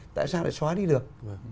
tại sao lại xóa đi được